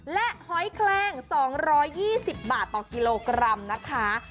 และหอยแคลง๒๒๐บาทต่อกิโลกรัมนะคะ